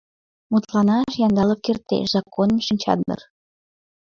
Мутланаш Яндалов кертеш, законым шинча дыр.